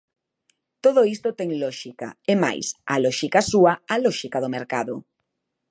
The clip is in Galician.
Todo isto ten lóxica; é máis, a lóxica súa, a lóxica do mercado.